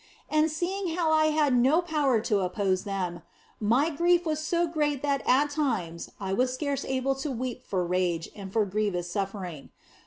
And seeing how that I had no power to oppose them, my grief was so great that at times I was scarce able to weep for rage and for grievous suffering.